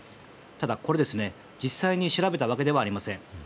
ただ、これは実際に調べたわけではありません。